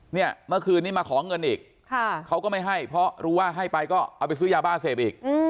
เมื่อคืนนี้มาขอเงินอีกเขาก็ไม่ให้เพราะรู้ว่าให้ไปก็เอาไปซื้อยาบ้าเสพอีก